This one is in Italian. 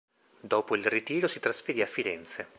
Dopo il ritiro si trasferì a Firenze.